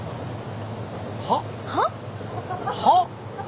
歯？